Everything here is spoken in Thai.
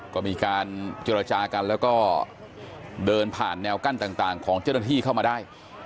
ก็มีการเจรจากันแล้วก็เดินผ่านแนวกั้นต่างของเจ้าหน้าที่เข้ามาได้